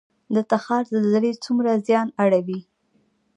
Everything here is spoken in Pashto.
د تخار زلزلې څومره زیان اړوي؟